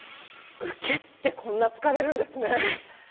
受けってこんな疲れるんですね。